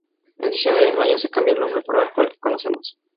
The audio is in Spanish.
El diciembre del mismo año se cambia el nombre para el actual que conocemos.